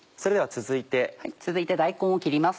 続いて大根を切ります。